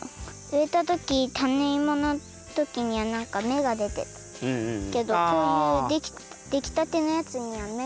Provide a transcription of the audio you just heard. うえたときたねいものときにはなんか芽がでてたけどこういうできたてのやつには芽がない。